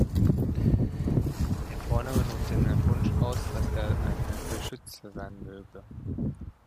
Der Vorname drückt den Wunsch aus, dass er ein Beschützer sein möge.